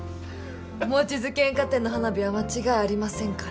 望月煙火店の花火は間違いありませんから。